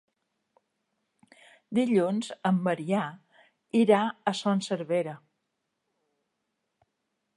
Dilluns en Maria irà a Son Servera.